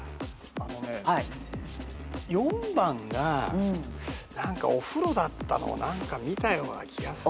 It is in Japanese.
あのね４番がお風呂だったのを何か見たような気がする。